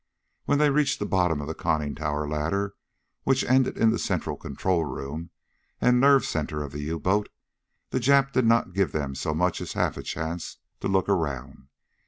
When they reached the bottom of the conning tower ladder which ended in the central control room, and nerve center of the U boat, the Jap didn't give them so much as half a chance to look around.